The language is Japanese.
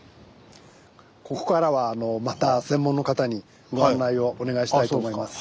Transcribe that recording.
ここからはまた専門の方にご案内をお願いしたいと思います。